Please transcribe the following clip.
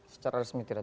secara resmi tidak